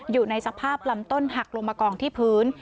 อยู่ในสภาพลำต้นหักลงมากองที่พื้น